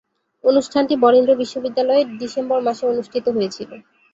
অনুষ্ঠানটি বরেন্দ্র বিশ্ববিদ্যালয়ে ডিসেম্বর মাসে অনুষ্ঠিত হয়েছিলো।